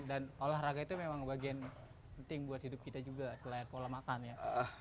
dan olahraga itu memang bagian penting buat hidup kita juga selain pola makan ya